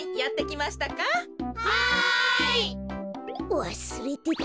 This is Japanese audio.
わすれてた。